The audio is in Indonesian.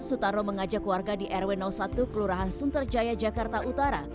sutarno mengajak warga di rw satu kelurahan sunterjaya jakarta utara